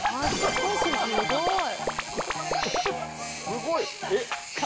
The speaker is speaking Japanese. すごい。